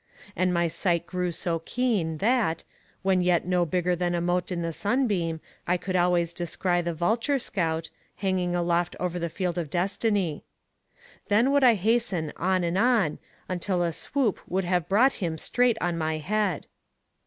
And my sight grew so keen that, when yet no bigger than a mote in the sunbeam, I could always descry the vulture scout, hanging aloft over the field of destiny. Then would I hasten on and on, until a swoop would have brought him straight on my head.